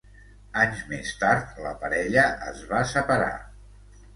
Anys més tard la parella es va separar.